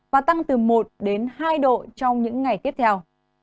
và tăng từ một đến hai độ trong những ngày tiếp theo